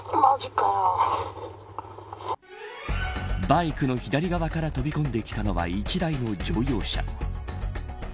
バイクの左側から飛び込んできたのは１台の乗用車。